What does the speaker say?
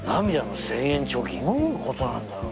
どういうことなんだろう。